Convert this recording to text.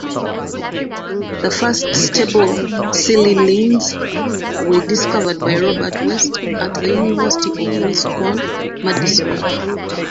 The first stable silylenes were discovered by Robert West at the University of Wisconsin-Madison.